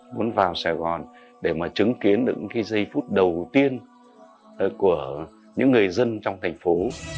muốn vào sài gòn để mà chứng kiến được những cái giây phút đầu tiên của những người dân trong thành phố